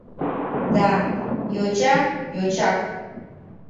Да, йоча — йочак.